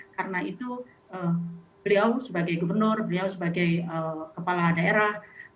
karena itu beliau sebagai gubernur beliau sebagai kepala daerah